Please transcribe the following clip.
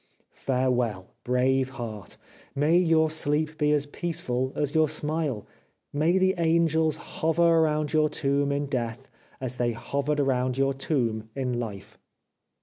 Farewell, brave heart ! May your sleep be as peaceful as your smile. May the angels hover around your tomb in death as they hovered 2 c 401 The Life of Oscar Wilde around your tomb in life.